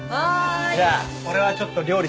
じゃあ俺はちょっと料理準備してくっから。